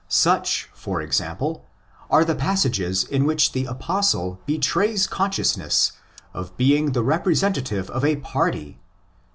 Such, for example, are the passages in which the Apostle betrays consciousness of being the representative of a party (iii.